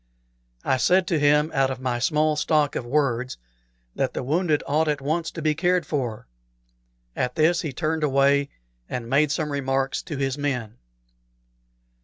I said to him, out of my small stock of words, that the wounded ought at once to be cared for. At this he turned away and made some remarks to his men.